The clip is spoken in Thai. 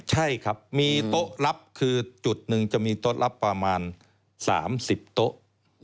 ใช่ครับมีโต๊ะรับคือจุดหนึ่งจะมีโต๊ะรับประมาณ๓๐โต๊ะ